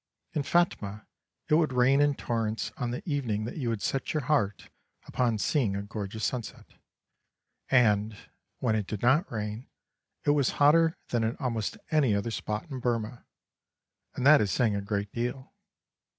In Phatmah it would rain in torrents on the evening that you had set your heart upon seeing a gorgeous sunset, and, when it did not rain, it was hotter than in almost any other spot in Burmah, and that is saying a great deal.